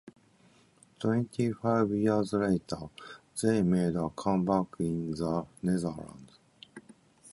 Twenty-five years later, they made a come-back in the Netherlands.